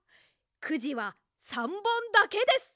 くじは３ぼんだけです。